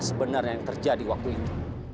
sebenarnya yang terjadi waktu itu